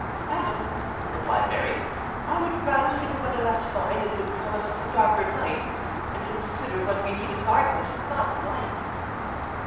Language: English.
"Madam," replied Mary, "I would rather see the weather less fine: it would promise us a darker night; and consider, what we need is darkness, not light."